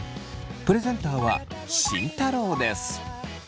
プレゼンターは慎太郎です。